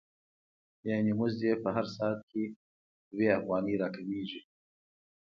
یانې مزد یې په هر ساعت کې دوه افغانۍ را کمېږي